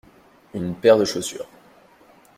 Une paire de chaussures.